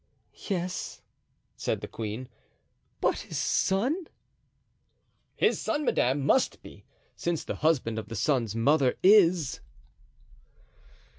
"Yes," said the queen; "but his son?" "His son, madame, must be, since the husband of the son's mother is."